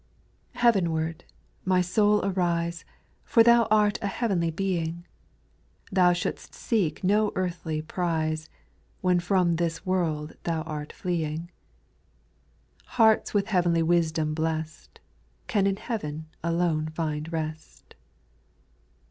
2. Heavenward I My soul arise, For thou art a heavenly being, Thou should'st seek no earthly prize, When from this world thou art fleeing ; Hearts with heavenly wisdom blest Can in heaven alone find rest.